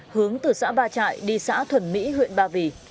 hướng từ xã ba trại đi xã thuần mỹ huyện ba vì